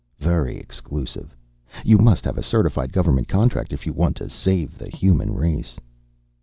Very exclusive. You must have a certified government contract if you want to save the human race.